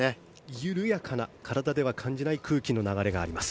緩やかな、体では感じない空気の流れがあります。